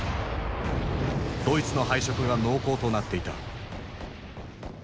ドイツの敗色が濃厚となっていた。